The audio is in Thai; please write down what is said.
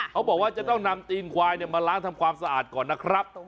เขาบอกว่าจะต้องนำตีนควายมาล้างทำความสะอาดก่อนนะครับ